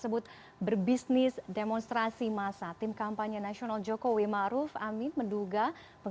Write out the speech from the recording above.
berbisnis demonstrasi masa tim kampanye nasional jokowi maruf amin menduga